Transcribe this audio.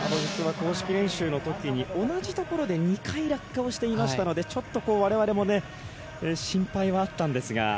公式練習の時に同じところで２回落下していましたのでちょっと我々も心配はあったんですが。